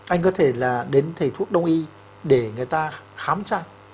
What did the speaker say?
anh có thể là đến thầy thuốc đồng ý để người ta khám tra